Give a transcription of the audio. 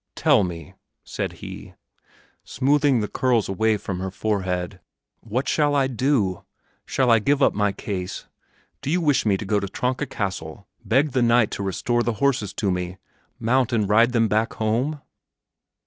"Tell me!" said he, smoothing the curls away from her forehead. "What shall I do? Shall I give up my case? Do you wish me to go to Tronka Castle, beg the knight to restore the horses to me, mount and ride them back home?"